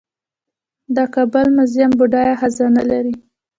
د کابل میوزیم بډایه خزانه لري